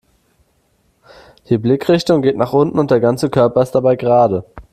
Die Blickrichtung geht nach unten und der ganze Körper ist dabei gerade.